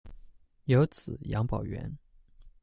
有子杨葆元。